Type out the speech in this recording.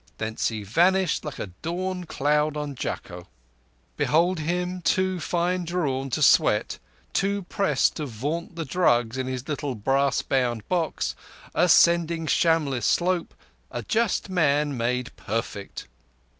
Thence he vanished like a dawn cloud on Jakko. Behold him, too fine drawn to sweat, too pressed to vaunt the drugs in his little brass bound box, ascending Shamlegh slope, a just man made perfect.